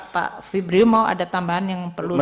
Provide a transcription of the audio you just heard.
pak fibri mau ada tambahan yang perlu